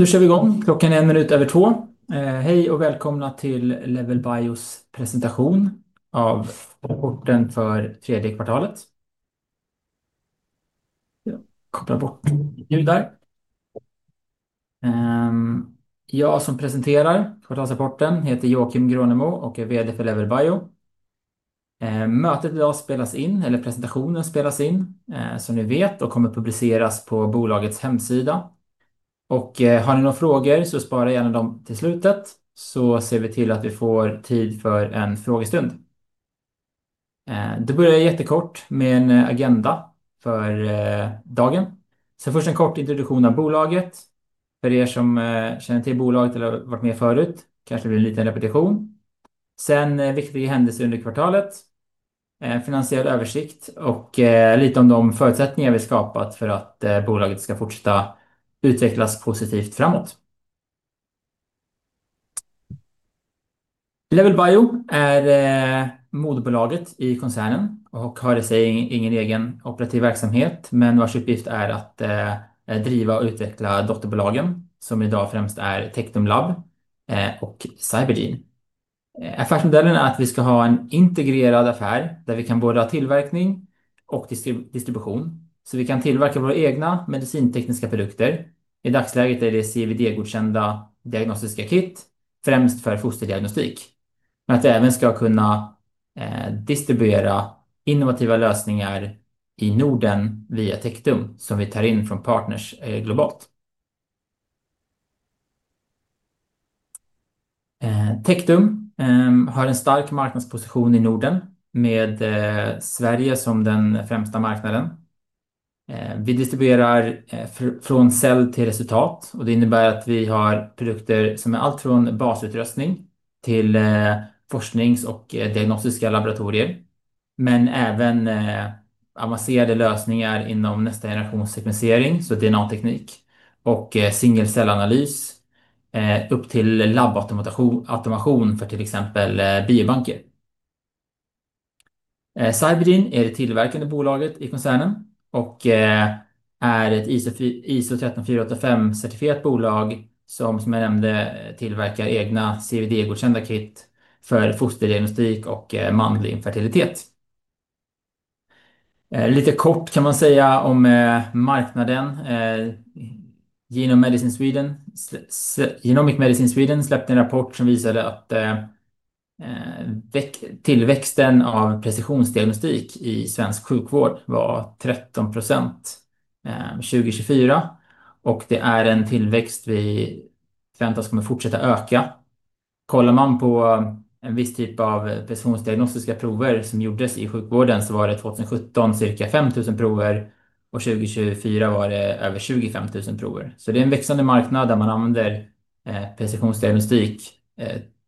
Då kör vi igång, klockan är en minut över två. Hej och välkomna till Level Bios presentation av rapporten för tredje kvartalet. Jag kopplar bort ljud där. Jag som presenterar kvartalsrapporten heter Joakim Grönemo och är VD för Level Bio. Mötet idag spelas in, eller presentationen spelas in, som ni vet, och kommer publiceras på bolagets hemsida. Har ni några frågor så spara gärna dem till slutet, så ser vi till att vi får tid för en frågestund. Då börjar jag kort med en agenda för dagen. Sen först en kort introduktion av bolaget. För som känner till bolaget eller har varit med förut, kanske det blir en liten repetition. Sen viktiga händelser under kvartalet. Finansiell översikt och lite om de förutsättningar vi skapat för att bolaget ska fortsätta utvecklas positivt framåt. Level Bio är moderbolaget i koncernen och har i sig ingen egen operativ verksamhet, men vars uppgift är att driva och utveckla dotterbolagen, som idag främst är TechDome Lab och CyberGene. Affärsmodellen är att vi ska ha en integrerad affär där vi kan både ha tillverkning och distribution. Vi kan tillverka våra egna medicintekniska produkter. I dagsläget är det CVD-godkända diagnostiska kit, främst för fosterdiagnostik. Vi ska även kunna distribuera innovativa lösningar i Norden via TechDome, som vi tar in från partners globalt. TechDome har en stark marknadsposition i Norden, med Sverige som den främsta marknaden. Vi distribuerar från cell till resultat, och det innebär att vi har produkter som är allt från basutrustning till forsknings- och diagnostiska laboratorier, men även avancerade lösningar inom nästa generations sekvensering, DNA-teknik och singelcellanalys, upp till labautomation för till exempel biobanker. CyberGene är det tillverkande bolaget i koncernen och är ett ISO 13485-certifierat bolag, som som jag nämnde, tillverkar egna CVD-godkända kit för fosterdiagnostik och manlig infertilitet. Lite kort kan man säga om marknaden. Genomic Medicine Sweden släppte en rapport som visade att tillväxten av precisionsdiagnostik i svensk sjukvård var 13% 2024, och det är en tillväxt vi förväntas kommer fortsätta öka. Kollar man på en viss typ av precisionsdiagnostiska prover som gjordes i sjukvården, så var det 2017 cirka 5 000 prover, och 2024 var det över 25 000 prover. Det är en växande marknad där man använder precisionsdiagnostik,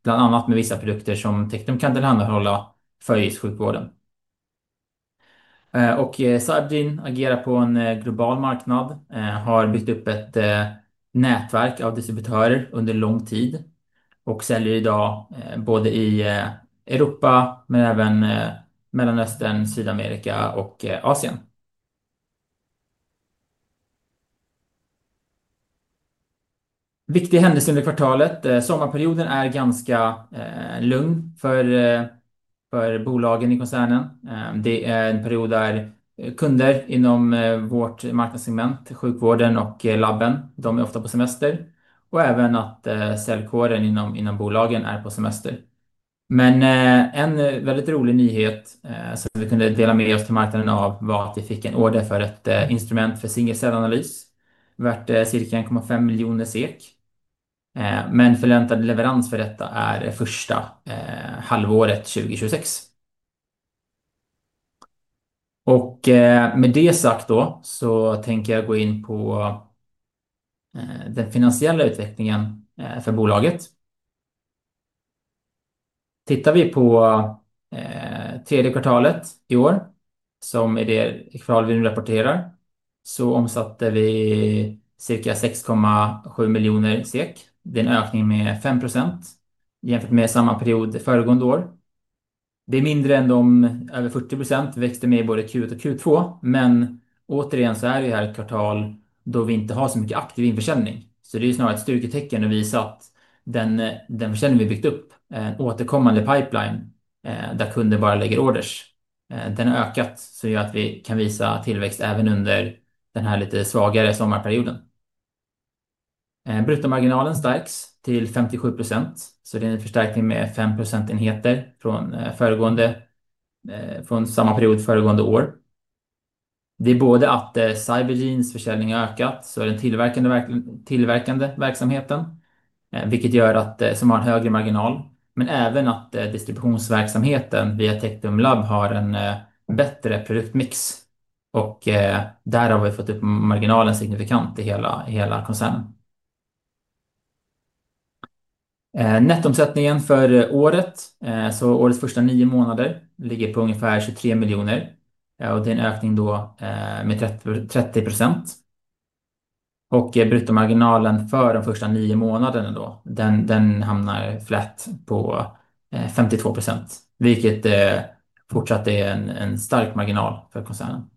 bland annat med vissa produkter som TechDome kan tillhandahålla, för i sjukvården. CyberGene agerar på en global marknad, har byggt upp ett nätverk av distributörer under lång tid och säljer idag både i Europa, men även Mellanöstern, Sydamerika och Asien. Viktiga händelser under kvartalet. Sommarperioden är ganska lugn för bolagen i koncernen. Det är en period där kunder inom vårt marknadssegment, sjukvården och labben, de är ofta på semester, och även att säljkåren inom bolagen är på semester. Men en väldigt rolig nyhet som vi kunde dela med oss till marknaden av var att vi fick en order för ett instrument för singelcellanalys, värt cirka 1,5 miljoner SEK. Förväntad leverans för detta är första halvåret 2026. Med det sagt då så tänker jag gå in på den finansiella utvecklingen för bolaget. Tittar vi på tredje kvartalet i år, som är det kvartal vi nu rapporterar, så omsatte vi cirka 6,7 miljoner SEK. Det är en ökning med 5% jämfört med samma period föregående år. Det är mindre än de över 40% vi växte med i både Q1 och Q2, men återigen så är det här ett kvartal då vi inte har så mycket aktiv införsäljning. Det är snarare ett styrketecken att visa att den försäljning vi byggt upp, en återkommande pipeline där kunder bara lägger orders, den har ökat. Det gör att vi kan visa tillväxt även under den här lite svagare sommarperioden. Bruttomarginalen stärks till 57%, så det är en förstärkning med 5 procentenheter från samma period föregående år. Det är både att CyberGenes försäljning har ökat, den tillverkande verksamheten, vilket gör att den har en högre marginal, men även att distributionsverksamheten via TechDome Lab har en bättre produktmix. Därav har vi fått upp marginalen signifikant i hela koncernen. Nettomsättningen för året, årets första nio månader ligger på ungefär 23 miljoner, och det är en ökning då med 30%. Bruttomarginalen för de första nio månaderna hamnar på 52%, vilket fortsatt är en stark marginal för koncernen.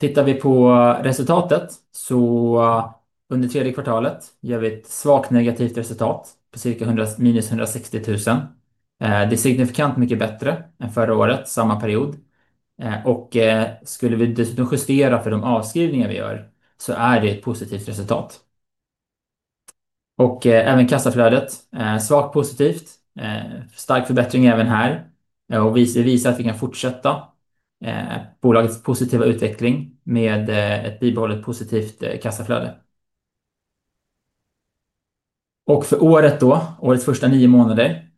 Tittar vi på resultatet så under tredje kvartalet gör vi ett svagt negativt resultat på cirka minus 160 000. Det är signifikant mycket bättre än förra året, samma period. Skulle vi dessutom justera för de avskrivningar vi gör så är det ett positivt resultat. Även kassaflödet, svagt positivt, stark förbättring även här. Vi visar att vi kan fortsätta bolagets positiva utveckling med ett bibehållet positivt kassaflöde. För året då, årets första nio månader,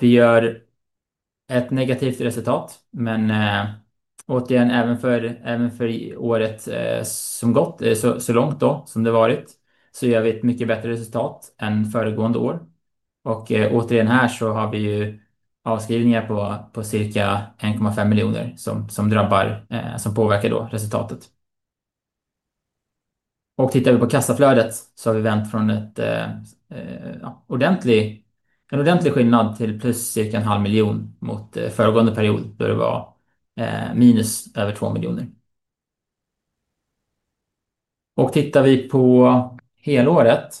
vi gör ett negativt resultat, men återigen även för året som gått så långt som det har varit, gör vi ett mycket bättre resultat än föregående år. Återigen här så har vi avskrivningar på cirka 1,5 miljoner som påverkar resultatet. Tittar vi på kassaflödet så har vi vänt från en ordentlig skillnad till plus cirka en halv miljon mot föregående period då det var minus över två miljoner. Tittar vi på helåret,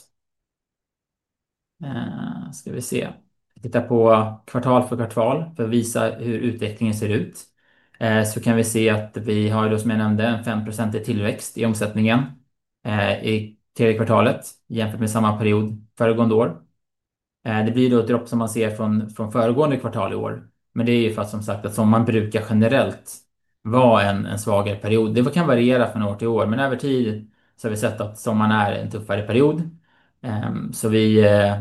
vi tittar på kvartal för kvartal för att visa hur utvecklingen ser ut. Vi kan se att vi har som jag nämnde en 5% tillväxt i omsättningen i tredje kvartalet jämfört med samma period föregående år. Det blir då ett dropp som man ser från föregående kvartal i år, men det är för att sommaren brukar generellt vara en svagare period. Det kan variera från år till år, men över tid så har vi sett att sommaren är en tuffare period. Vi är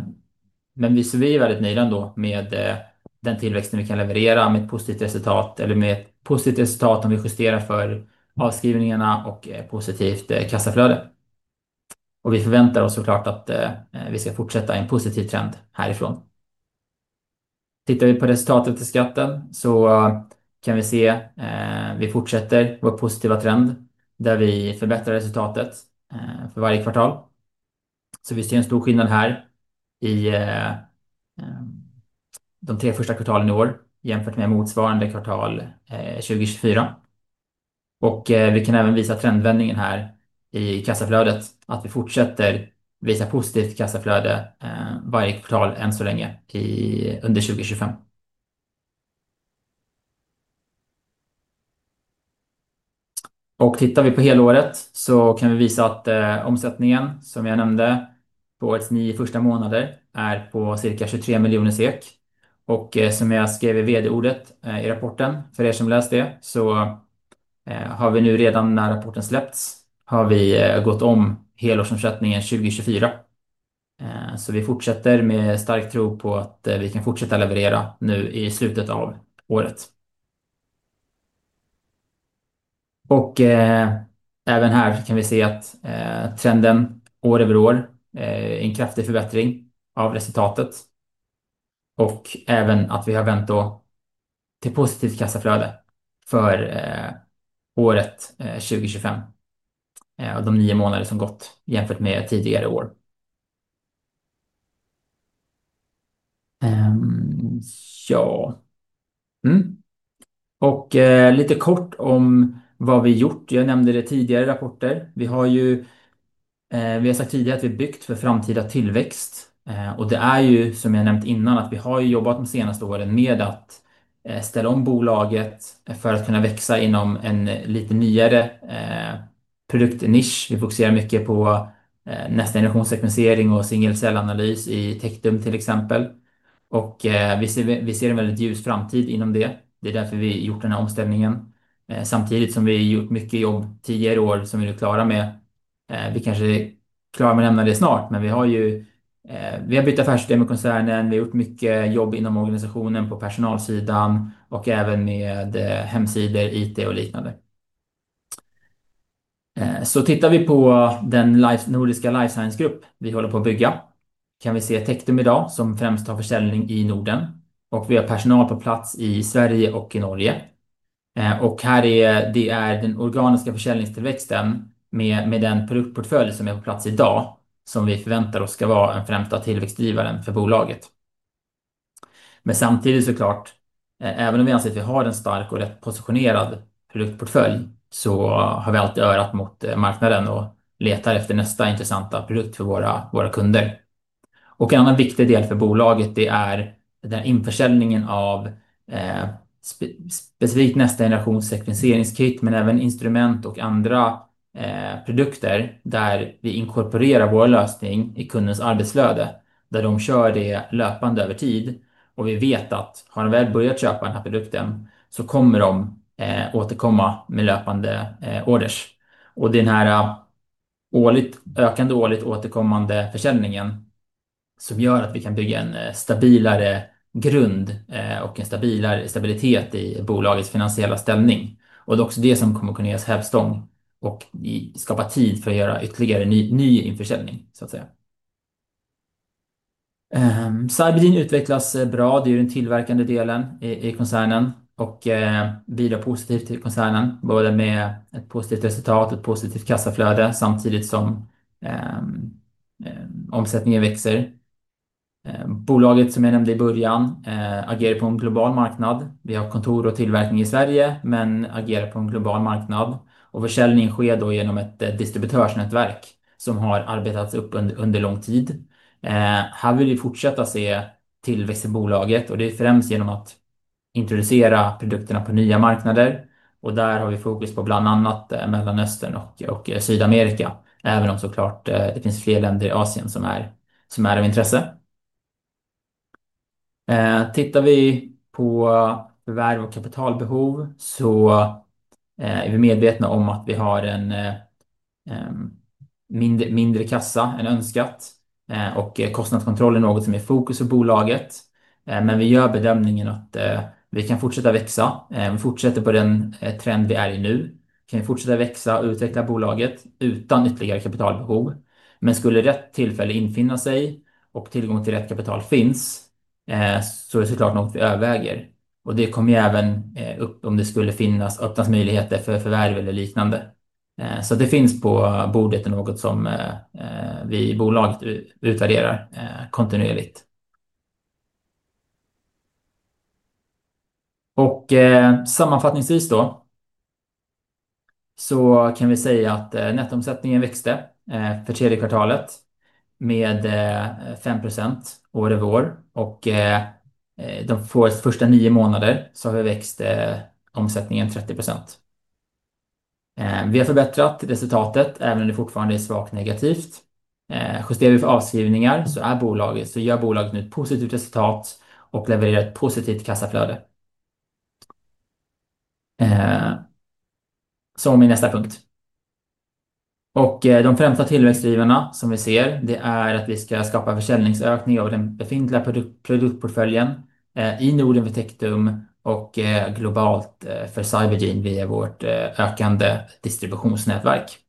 väldigt nöjda ändå med den tillväxten vi kan leverera med ett positivt resultat eller med ett positivt resultat om vi justerar för avskrivningarna och positivt kassaflöde. Vi förväntar oss såklart att vi ska fortsätta i en positiv trend härifrån. Tittar vi på resultatet före skatt så kan vi se att vi fortsätter vår positiva trend där vi förbättrar resultatet för varje kvartal. Vi ser en stor skillnad här i de tre första kvartalen i år jämfört med motsvarande kvartal 2023. Vi kan även visa trendvändningen här i kassaflödet att vi fortsätter visa positivt kassaflöde varje kvartal än så länge under 2025. Tittar vi på helåret så kan vi visa att omsättningen som jag nämnde på årets nio första månader är på cirka 23 miljoner SEK. Som jag skrev i VD-ordet i rapporten för som läst det så har vi nu redan när rapporten släppts har vi gått om helårsomsättningen 2024. Vi fortsätter med stark tro på att vi kan fortsätta leverera nu i slutet av året. Även här kan vi se att trenden år över år är en kraftig förbättring av resultatet. Även att vi har vänt då till positivt kassaflöde för året 2025 och de nio månader som gått jämfört med tidigare år. Lite kort om vad vi har gjort. Jag nämnde det tidigare i rapporter. Vi har sagt tidigare att vi har byggt för framtida tillväxt. Det är som jag nämnt innan att vi har jobbat de senaste åren med att ställa om bolaget för att kunna växa inom en lite nyare produktnisch. Vi fokuserar mycket på nästa generations sekvensering och singelcellanalys i TechDome till exempel. Vi ser en väldigt ljus framtid inom det. Det är därför vi har gjort den här omställningen. Samtidigt som vi har gjort mycket jobb tidigare i år som vi nu klarar av. Vi har bytt affärsidé med koncernen. Vi har gjort mycket jobb inom organisationen på personalsidan och även med hemsidor, IT och liknande. Tittar vi på den nordiska life science-grupp vi håller på att bygga, kan vi se TechDome idag som främst har försäljning i Norden. Vi har personal på plats i Sverige och i Norge. Här är det den organiska försäljningstillväxten med den produktportfölj som är på plats idag som vi förväntar oss ska vara en främsta tillväxtdrivare för bolaget. Samtidigt såklart, även om vi anser att vi har en stark och rätt positionerad produktportfölj, så har vi alltid örat mot marknaden och letar efter nästa intressanta produkt för våra kunder. En annan viktig del för bolaget, det är den här införsäljningen av specifikt nästa generations sekvenseringskit, men även instrument och andra produkter där vi inkorporerar vår lösning i kundens arbetsflöde. Där de kör det löpande över tid och vi vet att har de väl börjat köpa den här produkten så kommer de återkomma med löpande orders. Det är den här ökande årligt återkommande försäljningen som gör att vi kan bygga en stabilare grund och en stabilare stabilitet i bolagets finansiella ställning. Det är också det som kommer att kunna ge oss hävstång och skapa tid för att göra ytterligare ny införsäljning. CyberGene utvecklas bra, det är den tillverkande delen i koncernen och bidrar positivt till koncernen både med ett positivt resultat och ett positivt kassaflöde samtidigt som omsättningen växer. Bolaget som jag nämnde i början agerar på en global marknad. Vi har kontor och tillverkning i Sverige men agerar på en global marknad och försäljning sker då genom ett distributörsnätverk som har arbetats upp under lång tid. Här vill vi fortsätta se tillväxt i bolaget och det är främst genom att introducera produkterna på nya marknader och där har vi fokus på bland annat Mellanöstern och Sydamerika även om såklart det finns fler länder i Asien som är av intresse. Tittar vi på förvärv och kapitalbehov så är vi medvetna om att vi har en mindre kassa än önskat och kostnadskontroll är något som är fokus för bolaget. Men vi gör bedömningen att vi kan fortsätta växa. Vi fortsätter på den trend vi är i nu. Kan vi fortsätta växa och utveckla bolaget utan ytterligare kapitalbehov? Men skulle rätt tillfälle infinna sig och tillgång till rätt kapital finns så är det såklart något vi överväger. Det kommer även upp om det skulle finnas öppna möjligheter för förvärv eller liknande. Att det finns på bordet är något som vi i bolaget utvärderar kontinuerligt. Sammanfattningsvis då så kan vi säga att nettomsättningen växte för tredje kvartalet med 5% år över år och de första nio månader så har vi växt omsättningen 30%. Vi har förbättrat resultatet även om det fortfarande är svagt negativt. Justerar vi för avskrivningar så gör bolaget nu ett positivt resultat och levererar ett positivt kassaflöde. De främsta tillväxtdrivarna som vi ser det är att vi ska skapa försäljningsökning av den befintliga produktportföljen i Norden för TechDome och globalt för CyberGene via vårt ökande distributionsnätverk.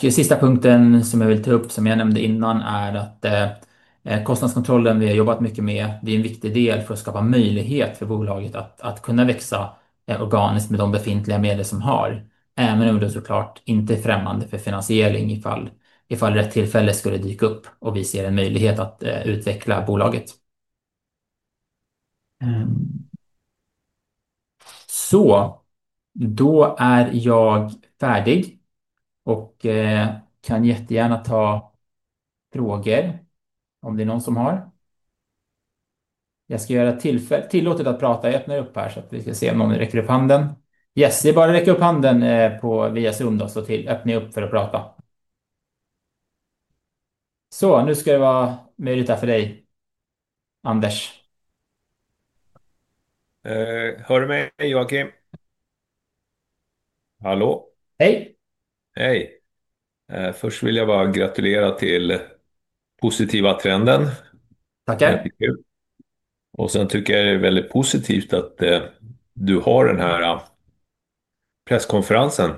Sista punkten som jag vill ta upp som jag nämnde innan är att kostnadskontrollen vi har jobbat mycket med, det är en viktig del för att skapa möjlighet för bolaget att kunna växa organiskt med de befintliga medel som har. Även om det såklart inte är främmande för finansiering ifall rätt tillfälle skulle dyka upp och vi ser en möjlighet att utveckla bolaget. Då är jag färdig och kan gärna ta frågor om det är någon som har. Jag ska göra tillåtet att prata, jag öppnar upp här så att vi ska se om någon räcker upp handen. Det är bara att räcka upp handen via Zoom då så öppnar jag upp för att prata. Nu ska det vara möjligt här för dig, Anders. Hör du mig, Joakim? Hallå. Hej. Hej. Först vill jag bara gratulera till den positiva trenden. Tack. Och sen tycker jag det är väldigt positivt att du har den här presskonferensen.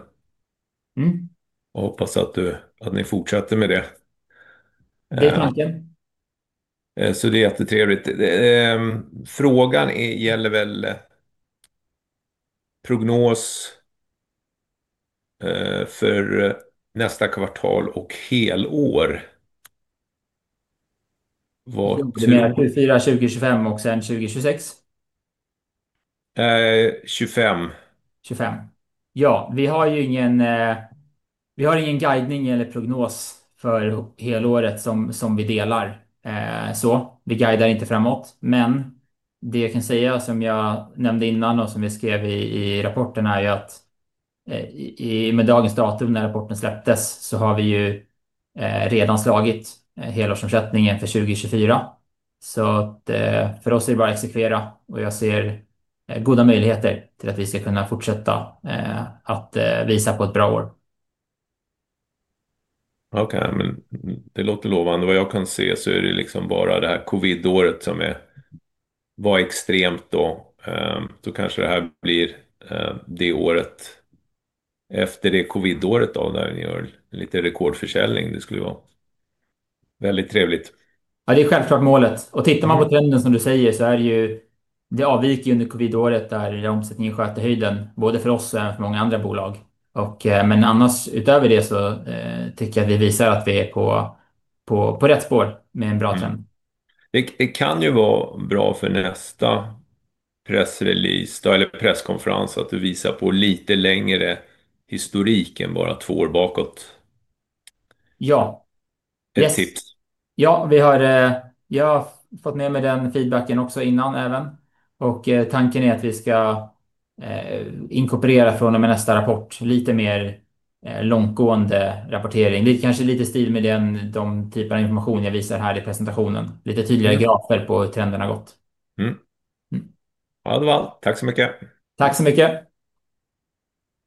Och hoppas att ni fortsätter med det. Det är tanken. Så det är jättetrevligt. Frågan gäller väl prognos för nästa kvartal och helår. 2024, 2025 och sen 2026? 25. Ja, vi har ju ingen, vi har ingen guidning eller prognos för helåret som vi delar. Så vi guidar inte framåt. Men det jag kan säga som jag nämnde innan och som vi skrev i rapporten är ju att i och med dagens datum när rapporten släpptes så har vi ju redan slagit helårsomsättningen för 2024. Så för oss är det bara att exekvera och jag ser goda möjligheter till att vi ska kunna fortsätta att visa på ett bra år. Okej, men det låter lovande. Vad jag kan se så är det ju liksom bara det här covidåret som var extremt då. Så kanske det här blir det året efter det covidåret då när vi gör lite rekordförsäljning. Det skulle vara väldigt trevligt. Ja, det är självklart målet. Och tittar man på trenden som du säger så är det ju, det avviker ju under covid-året där omsättningen sköt i höjden både för oss och även för många andra bolag. Men annars utöver det så tycker jag att vi visar att vi är på rätt spår med en bra trend. Det kan ju vara bra för nästa pressrelease då eller presskonferens att du visar på lite längre historik än bara två år bakåt. Ja, ja, vi har, jag har fått med mig den feedbacken också innan även. Tanken är att vi ska inkorporera från och med nästa rapport lite mer långtgående rapportering. Lite kanske lite stil med den typen av information jag visar här i presentationen. Lite tydligare grafer på hur trenden har gått. Ja, det var allt. Tack så mycket. Tack så mycket.